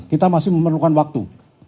kita masih memerlukan waktu